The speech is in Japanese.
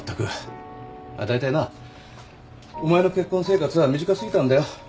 だいたいなお前の結婚生活は短過ぎたんだよ。